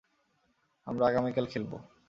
আমরা আগামীকাল খেলব।